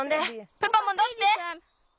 プパもどって！